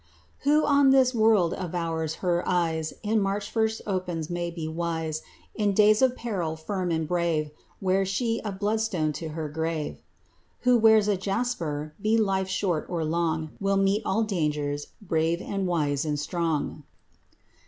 Who on this world of ours her eyes In March first opens may be wise, In days of peril firm and brave, Wears she a bloodstone to her grave. Who wears a jasper, be life short or long, Will meet all dangers brave and wise and strong.